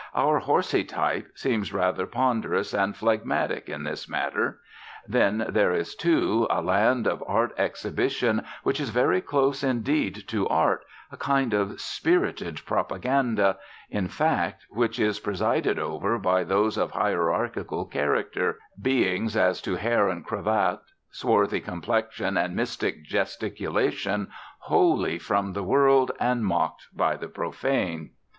Our horsey type seems rather ponderous and phlegmatic in this matter. Then there is, too, a land of art exhibition which is very close indeed to Art, a kind of spirited propaganda, in fact, which is presided over by those of hierarchical character, beings as to hair and cravat, swarthy complexion and mystic gesticulation, holy from the world and mocked by the profane.